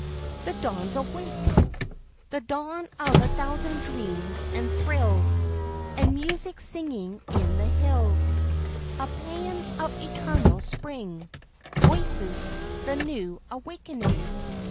The Dawn's awake! The dawn of a thousand dreams and thrills. And music singing in the hills A paean of eternal spring Voices the new awakening.